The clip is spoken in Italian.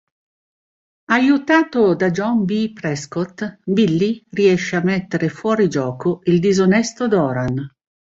Aiutato da John B. Prescott, Billy riesce a mettere fuori gioco il disonesto Doran.